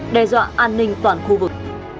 đe dọa an ninh toàn khu vực